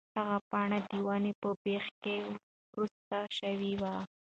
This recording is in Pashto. هغه پاڼه د ونې په بېخ کې ورسته شوې وه.